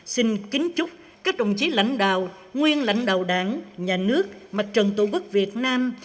xin kính chúc các đồng chí lãnh đạo nguyên lãnh đạo đảng nhà nước mặt trận tổ quốc việt nam